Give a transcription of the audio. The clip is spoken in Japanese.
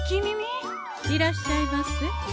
いらっしゃいませ。